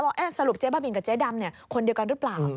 สรุปเจ๊บ้าบินกับเจ๊ดำคนเดียวกันหรือเปล่า